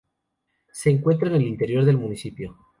Se encuentra en el interior del municipio.